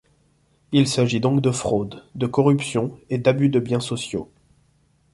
Il s'agit donc de fraude, de corruption et d'abus de biens sociaux.